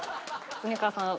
恒川さん